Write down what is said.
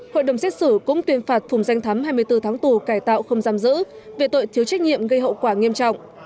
hội đồng xét xử cũng tuyên phạt phùng danh thắm hai mươi bốn tháng tù cải tạo không giam giữ về tội thiếu trách nhiệm gây hậu quả nghiêm trọng